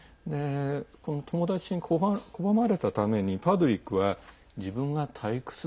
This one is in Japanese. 友達に拒まれたためにパードリックは自分が退屈で